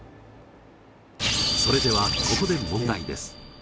それではここで問題です。